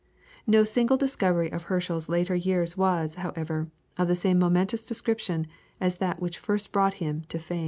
No single discovery of Herschel's later years was, however, of the same momentous description as that which first brought him to fame.